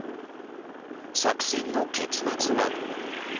作戦の結末は。